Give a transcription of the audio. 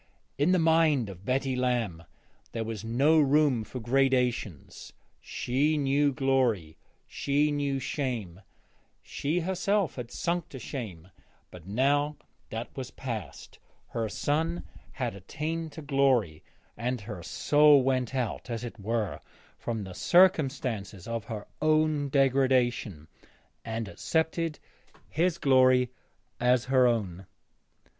In the mind of Betty Lamb there was no room for gradations; she knew glory, she knew shame; she herself had sunk to shame; but now that was past, her son had attained to glory, and her soul went out, as it were, from the circumstances of her own degradation and accepted his glory as her own.